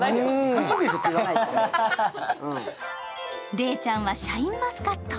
礼ちゃんはシャインマスカット。